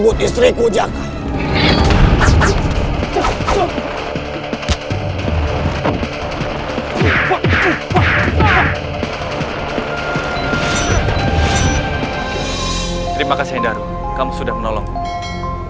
terima kasih endaro kamu sudah menolongku